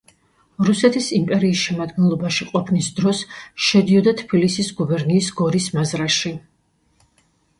რუსეთის იმპერიის შემადგენლობაში ყოფნის დროს შედიოდა თბილისის გუბერნიის გორის მაზრაში.